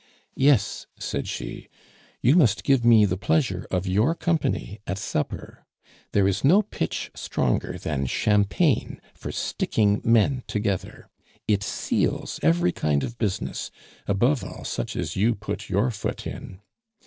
"Yes," said she, "you must give me the pleasure of your company at supper. There is no pitch stronger than champagne for sticking men together. It seals every kind of business, above all such as you put your foot in.